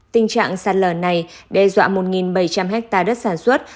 tình trạng sạt lờ này đe dọa một bảy trăm linh ha đất sản xuất